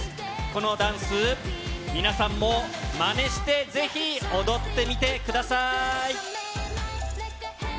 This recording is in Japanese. このダンス、皆さんもまねして、ぜひ踊ってみてください。